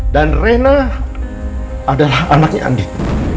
dan rena adalah anaknya andin